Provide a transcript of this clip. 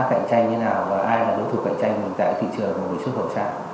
ai là đối thủ cạnh tranh tại thị trường và người xuất khẩu sản